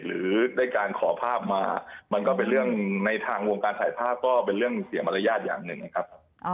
หรือได้การขอภาพมามันก็เป็นเรื่องในทางวงการถ่ายภาพก็เป็นเรื่องเสียมารยาทอย่างหนึ่งนะครับ